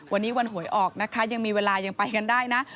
วันนี้วันหวยออกนะคะยังมีเวลายังไปกันได้นะ